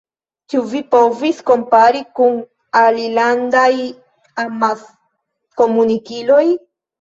Ĉu vi povis kompari kun alilandaj amaskomunikiloj?